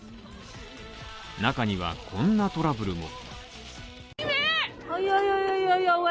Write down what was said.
中にはこんなトラブルも。